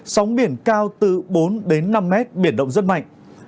sóng biển cao từ bốn đến năm mét biển động rất mạnh